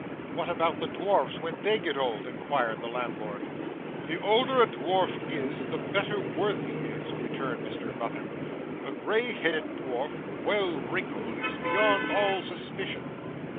'What about the dwarfs when they get old?' inquired the landlord. 'The older a dwarf is, the better worth he is,' returned Mr Vuffin; 'a grey headed dwarf, well wrinkled, is beyond all suspicion.